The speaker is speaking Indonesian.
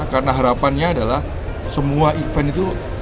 karena harapannya adalah semua event itu